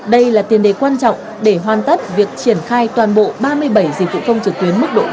đây là tiền đề quan trọng để hoàn tất việc triển khai toàn bộ ba mươi bảy dịch vụ công trực tuyến mức độ ba